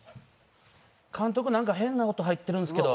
「監督なんか変な音入ってるんですけど」。